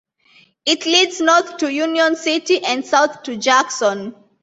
It leads north to Union City and south to Jackson.